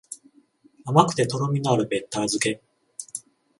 甘くてとろみのあるべったら漬け